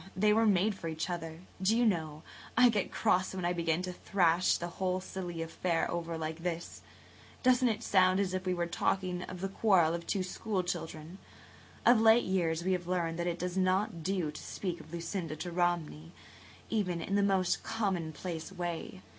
They were made for each other. Do you [Page 143] know, I get cross when I begin to thrash the whole silly affair over like this. Doesn't it sound as if we were talking of the quarrel of two school children? Of late years we have learned that it does not do to speak of Lucinda to Romney, even in the most commonplace way.